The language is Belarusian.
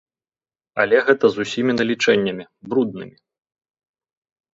Але гэта з усімі налічэннямі, бруднымі.